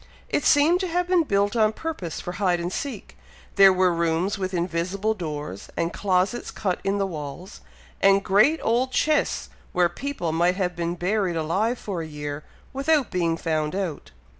It seemed to have been built on purpose for hide and seek; there were rooms with invisible doors, and closets cut in the walls, and great old chests where people might have been buried alive for a year, without being found out.